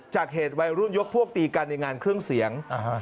จากเหตุวัยรุ่นยกพวกตีกันในงานเครื่องเสียง